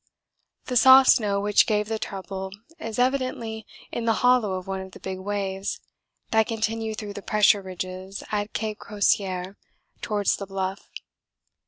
The soft snow which gave the trouble is evidently in the hollow of one of the big waves that continue through the pressure ridges at Cape Crozier towards the Bluff.